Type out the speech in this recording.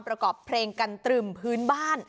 ประกอบเพลงกันตรึมพื้นบ้าน